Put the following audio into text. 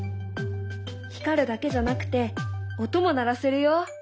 光るだけじゃなくて音も鳴らせるよ。